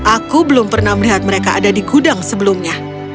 aku belum pernah melihat mereka ada di gudang sebelumnya